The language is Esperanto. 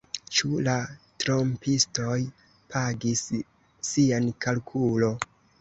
Ĉu la trompistoj pagis sian kalkulo